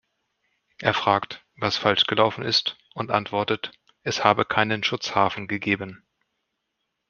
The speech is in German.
Er fragt, was falsch gelaufen ist, und antwortet, es habe keinen Schutzhafen gegeben.